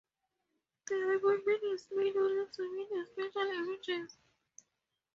The appointment is made only to meet a special emergency.